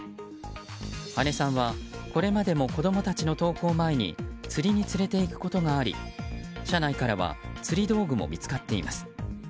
羽根さんはこれまでも子供たちの登校前に釣りに連れていくことがあり車内からは釣り道具も見つかっています。